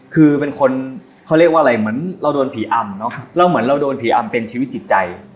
คือเป็นคนเขาเรียกว่าอะไรเหมือนเราโดนผีอำเนอะเราเหมือนเราโดนผีอำเป็นชีวิตจิตใจ